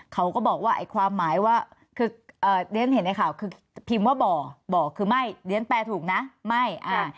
เขาก็บอกว่าไอ้ความหมายว่าคือเอ่อเรียนเห็นในข่าวคือพิมพ์ว่าบ่อบ่อคือไม่เรียนแปลถูกนะไม่อ่า